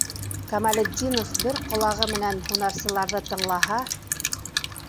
Камалетдинов бер ҡолағы менән һунарсыларҙы тыңлаһа